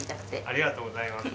ありがとうございます。